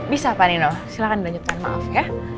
bisa panino silakan beranjutan maaf ya